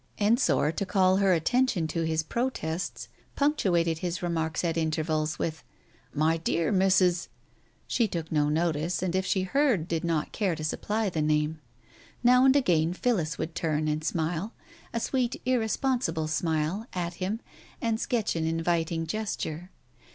Digitized by Google 254 TALES OF THE UNEASY Ensor, to call her attention to his protests, punctuated his remarks at intervals with, "My dear Mrs. " She took no notice, and if she heard, did not care to supply the name. Now and again Phillis would turn and smile, a sweet irresponsible smile, at him and sketch an inviting gesture.